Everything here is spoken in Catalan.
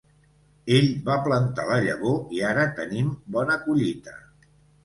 Ell va plantar la llavor i ara tenim bona collita.